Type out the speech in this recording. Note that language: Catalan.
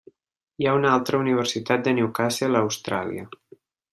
Hi ha una altra Universitat de Newcastle a Austràlia.